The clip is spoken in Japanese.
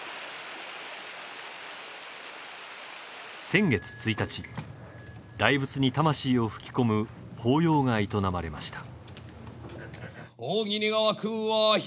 先月１日、大仏に魂を吹き込む法要が営まれました。